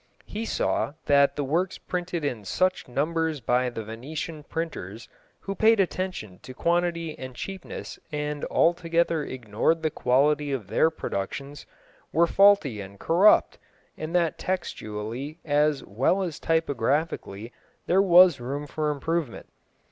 He saw that the works printed in such numbers by the Venetian printers, who paid attention to quantity and cheapness and altogether ignored the quality of their productions, were faulty and corrupt, and that textually as well as typographically there was room for improvement.